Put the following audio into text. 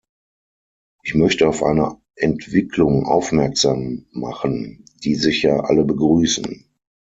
Ich möchte auf eine Entwicklung aufmerksam machen, die sicher alle begrüßen.